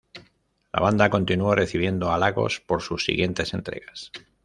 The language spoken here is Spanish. La banda continuó recibiendo halagos por sus siguientes entregas.